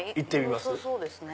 よさそうですね。